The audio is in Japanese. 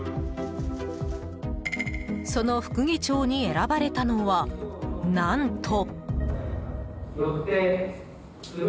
その副議長に選ばれたのは何と。